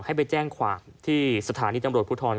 ให้ไปแจ้งความที่สถานีตำรวจภูทร